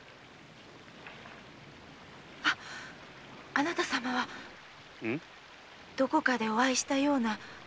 あッあなた様はどこかでお会いしたような。